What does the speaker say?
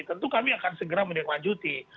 tentu kami akan segera mendekat lanjuti